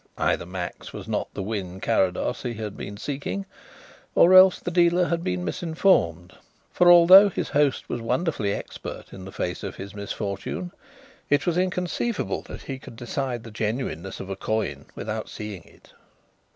Either Max was not the Wynn Carrados he had been seeking or else the dealer had been misinformed; for although his host was wonderfully expert in the face of his misfortune, it was inconceivable that he could decide the genuineness of a coin without seeing it.